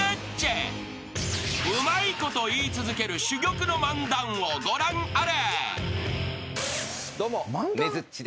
［うまいこと言い続ける珠玉の漫談をご覧あれ］